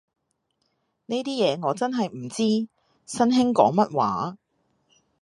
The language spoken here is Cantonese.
呢啲嘢我真係唔知，新興講乜話